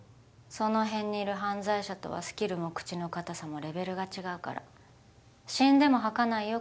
その辺にいる犯罪者とはスキルも口の堅さもレベルが違うから死んでも吐かないよ